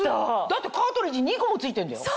だってカートリッジ２個も付いてんだよ